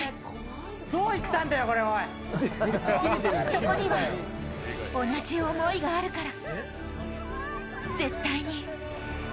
そこには、同じ思いがあるから。